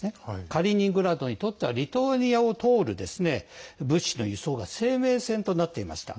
カリーニングラードにとってはリトアニアを通る物資の輸送が生命線となっていました。